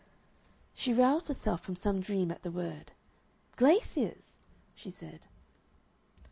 She roused herself from some dream at the word. "Glaciers?" she said.